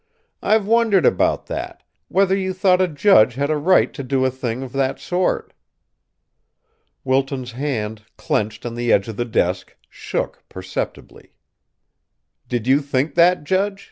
"I've wondered about that whether you thought a judge had a right to do a thing of that sort." Wilton's hand, clenched on the edge of the desk, shook perceptibly. "Did you think that, judge?"